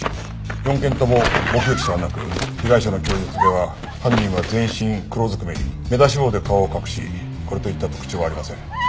４件とも目撃者はなく被害者の供述では犯人は全身黒ずくめに目出し帽で顔を隠しこれといった特徴はありません。